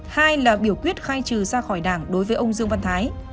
hai là biểu quyết khai trừ ra khỏi đảng đối với ông dương văn thái